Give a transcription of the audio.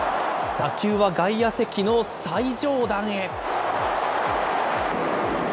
打球は外野席の最上段へ。